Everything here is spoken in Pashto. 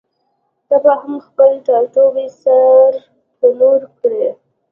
ته به هم خپل ټاټوبی سور تنور کړې؟